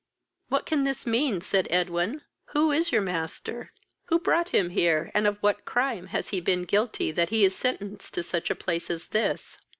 "What can this mean? (said Edwin;) who is your master? who brought him here? and of what crime has he been guilty that he is sentenced to such a place as this?"